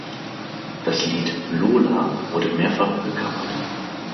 Das Lied "Lola" wurde mehrfach gecovert.